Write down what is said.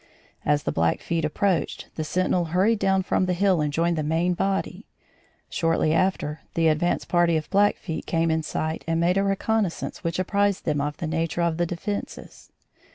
As the Blackfeet approached, the sentinel hurried down from the hill and joined the main body. Shortly after, the advance party of Blackfeet came in sight and made a reconnaissance which apprised them of the nature of the defences.